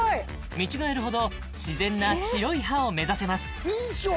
見違えるほど自然な白い歯を目指せます印象